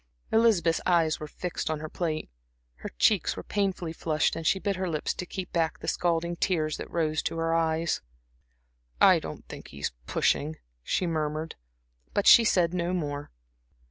Elizabeth's eyes were fixed on her plate; her cheeks were painfully flushed and she bit her lips to keep back the scalding tears that rose to her eyes. "I don't think he is pushing," she murmured, but she said no more.